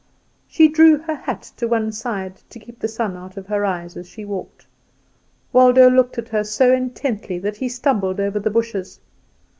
She drew her hat to one side to keep the sun out of her eyes as she walked. Waldo looked at her so intently that he stumbled over the bushes.